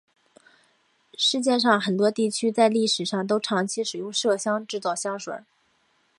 世界上很多地区在历史上都长期使用麝香制造香水。